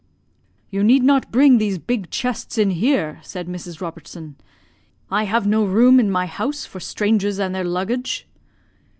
"'You need not bring these big chests in here,' said Mrs. Robertson, 'I have no room in my house for strangers and their luggage.'